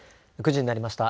９時になりました。